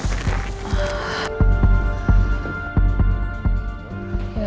udah ya mau makan ya ini